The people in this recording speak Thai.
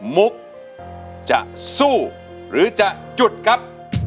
มุกจะสู้หรือจะหยุดครับ